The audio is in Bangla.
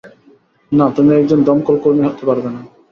না, তুমি একজন দমকলকর্মী হতে পারবে না।